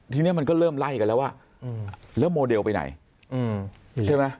ทีนี้มันก็เริ่มไล่กันแล้วว่าแล้วโมเดลไปไหนใช่ไหม